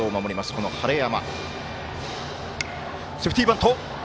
この晴山。